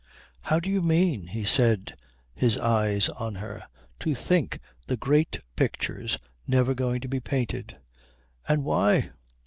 "How do you mean?" he said, his eyes on her. "To think the great picture's never going to be painted!" "And why?"